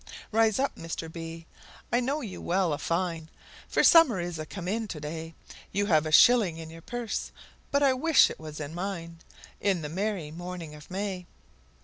Rise up, Mr , I know you well a fine, For summer is a come in to day; You have a shilling in your purse, but I wish it was in mine, In the merry morning of May!